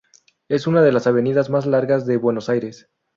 Es una de las avenidas más largas de Buenos Aires.